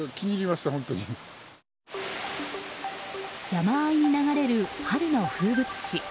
山あいに流れる春の風物詩。